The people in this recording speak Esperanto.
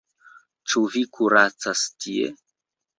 Ĉu vi kuracas tie?